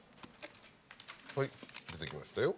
はい出てきましたよ。